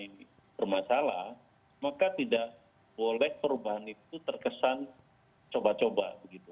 jadi kalau kita tidak memiliki perbaikan perbaikan yang terdapat maka tidak boleh perubahan itu terkesan coba coba